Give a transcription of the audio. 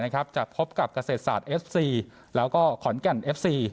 นะครับจะพบกับกระเศษศาสตร์เอฟซีแล้วก็ขอนแก่นเอฟซี